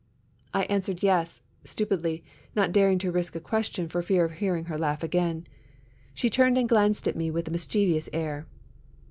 '' I answered yes, stupidly, not daring to risk a question for fear of hearing her laugh again. She turned and glanced at me with a mischievous air.